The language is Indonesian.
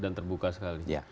dan terbuka sekali